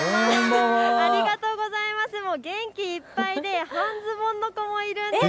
元気いっぱいで半ズボンの子もいるんです。